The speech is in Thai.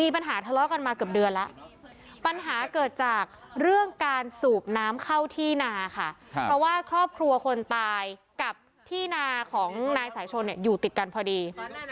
เพราะว่าครอบครัวคนตายกับพี่นาของนายสายชนอยู่ติดกันพอดี